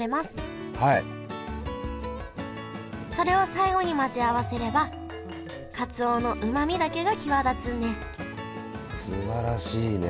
それを最後に混ぜ合わせればかつおのうまみだけが際立つんですすばらしいね。